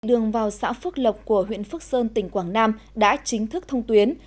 đường vào xã phước lộc của huyện phước sơn tỉnh quảng nam đã chính thức thông tuyến